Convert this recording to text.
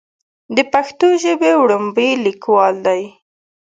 د پښتو ژبې وړومبے ليکوال دی